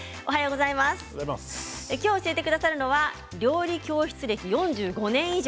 今日教えてくださるのは料理教室歴４５年以上。